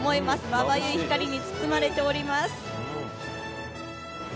まばゆい光に包まれております。